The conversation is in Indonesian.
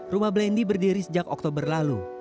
rumah blendy berdiri sejak oktober lalu